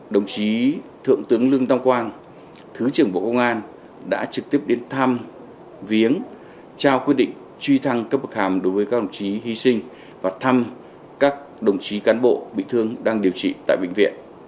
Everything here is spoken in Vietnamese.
đồng chí thượng tướng lương tam quang thứ trưởng bộ công an đã trực tiếp đến thăm viếng trao quyết định truy thăng cấp bậc hàm đối với các đồng chí hy sinh và thăm các đồng chí cán bộ bị thương đang điều trị tại bệnh viện